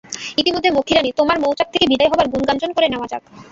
ইতিমধ্যে মক্ষীরানী, তোমার মউচাক থেকে বিদায় হবার গুঞ্জনগান করে নেওয়া যাক।